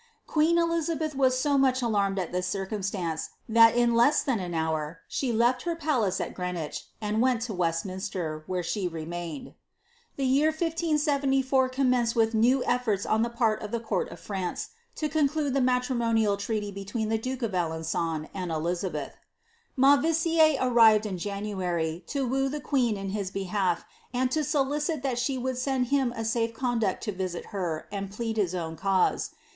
Qjueen Elizabeth was so much alarmed at this circum muice, that in less than an hour she left her palace at Greenwich, and went to Westminster, where she remained.' The year 1 574 commenced with new efforts on the part of the conrt of France, to conclude the matrimonial treaty between the duke of Alem^on and Elizabeth. Mauvissiere arrived in January, to woo the queen in his behalf, and tj solicit that she would send him a safe con duct to visit her, and plead his own cause.